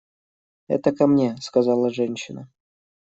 – Это ко мне, – сказала женщина.